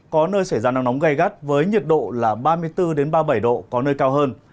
có nơi xảy ra nắng nóng gai gắt với nhiệt độ là ba mươi bốn ba mươi bảy độ có nơi cao hơn